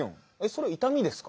それいたみですか？